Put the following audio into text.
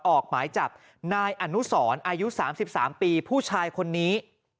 ออกหมายจับนายอนุสรอายุ๓๓ปีผู้ชายคนนี้